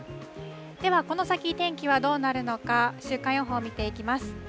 では、この先、天気はどうなるのか、週間予報見ていきます。